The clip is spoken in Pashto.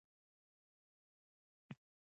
آیا پېغلې په جګړه کې شاملي وې؟